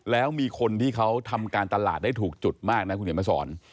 แล้วมีคนที่เขาทำการตลาดได้ถูกจุดมากนะคุณเห็นมาสอน